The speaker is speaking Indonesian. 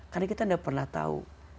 karena kita tidak pernah tahu